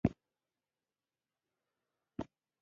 درېیمه ګڼه یې د مې په میاشت کې لوستونکو ته رسیږي.